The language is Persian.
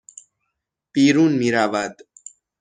بیرون میرود